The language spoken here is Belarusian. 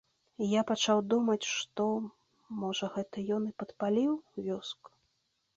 Я пачаў думаць, што, можа, гэта ён і падпаліў вёску.